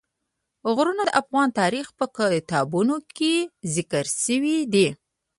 غرونه د افغان تاریخ په کتابونو کې ذکر شوی دي.